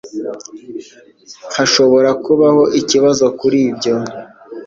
Hashobora kubaho ikibazo kuri ibyo